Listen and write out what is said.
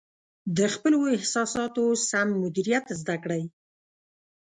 د خپلو احساساتو سم مدیریت زده کړئ.